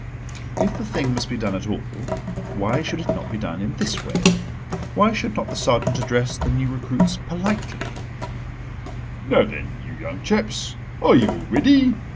If the thing must be done at all, why should it not be done in this way? Why should not the sergeant address the new recruits politely: "Now then, you young chaps, are you all ready?